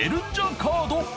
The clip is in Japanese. カード